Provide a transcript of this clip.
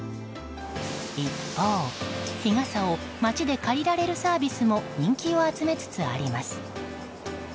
一方、日傘を街で借りられるサービスも人気を集めつつあります。